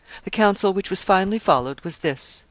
The counsel which was finally followed was this.